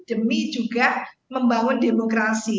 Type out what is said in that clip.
demi juga membangun demokrasi